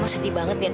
mama seti banget liat